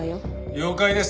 了解です。